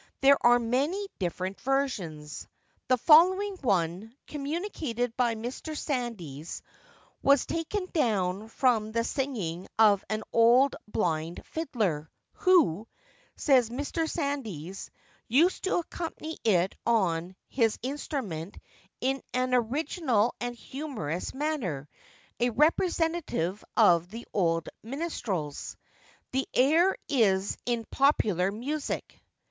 There are many different versions. The following one, communicated by Mr. Sandys, was taken down from the singing of an old blind fiddler, 'who,' says Mr. Sandys, 'used to accompany it on his instrument in an original and humorous manner; a representative of the old minstrels!' The air is in Popular Music.